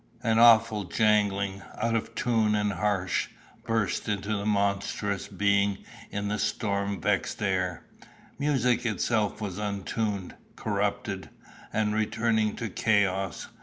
An awful jangling, out of tune and harsh, burst into monstrous being in the storm vexed air. Music itself was untuned, corrupted, and returning to chaos.